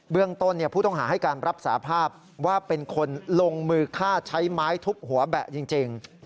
เรื่องต้นผู้ต้องหาให้การรับสาภาพว่าเป็นคนลงมือฆ่าใช้ไม้ทุบหัวแบะจริง